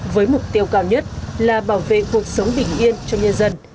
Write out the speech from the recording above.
với mục tiêu cao nhất là bảo vệ cuộc sống bình yên cho nhân dân